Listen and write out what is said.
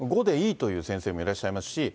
５でいいという先生もいらっしゃいますし。